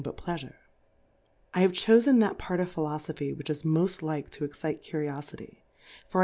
^^Pleafure« I have cho fen that Tart of Philofophy which is moil like to excite Curiofty ; for Ithi?